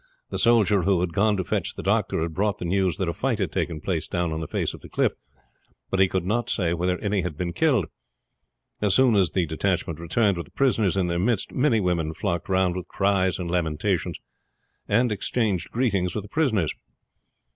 The soldier who had gone to fetch the doctor had brought the news that a fight had take place down on the face of the cliff, but he could not say whether any had been killed. As soon as the detachment returned with the prisoners in their midst many women flocked round with cries and lamentations, and exchanged greetings with the prisoners.